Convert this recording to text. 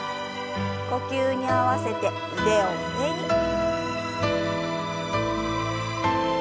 呼吸に合わせて腕を上に。